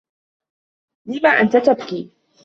لم أنت تبكي؟